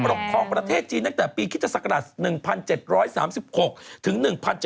ปกครองประเทศจีนตั้งแต่ปีคิตศักราช๑๗๓๖ถึง๑๗๐